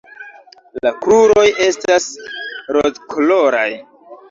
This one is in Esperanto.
La kruroj estas rozkoloraj.